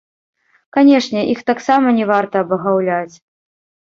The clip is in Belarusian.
Канешне, іх таксама не варта абагаўляць.